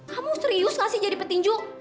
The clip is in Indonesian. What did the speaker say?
kamu serius gak sih jadi petinju